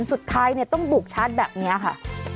สุดท้ายต้องบุกชาร์จแบบนี้ค่ะ